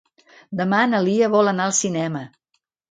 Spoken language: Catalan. Demà na Lia vol anar al cinema.